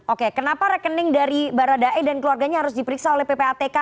oke kenapa rekening dari baradae dan keluarganya harus diperiksa oleh ppatk